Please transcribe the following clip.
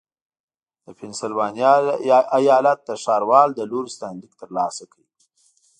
د پنسلوانیا ایالت د ښاروال له لوري ستاینلیک ترلاسه کړ.